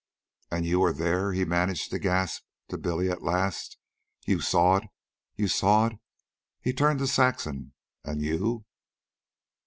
"And you were there," he managed to gasp to Billy at last. "You saw it. You saw it." He turned to Saxon. " And you?"